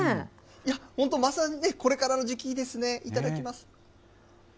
いや、本当、まさにこれからの時期ですね、いただきます。